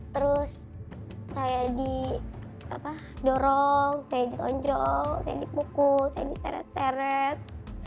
terus saya didorong saya dionjol saya dipukul saya diseret seret